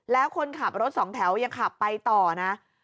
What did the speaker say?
แล้วคนขับรถสองแถวยังขับไปต่อนะ